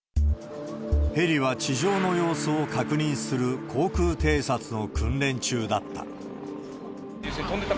ヘリは地上の様子を確認する航空偵察の訓練中だった。